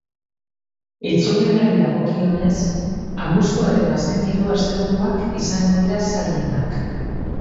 Itzulerari dagokionez, abuztuaren azken hiru asteburuak izango dira zailenak.